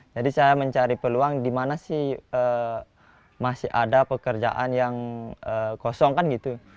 jadi saya mencari peluang di mana sih masih ada pekerjaan yang kosong kan gitu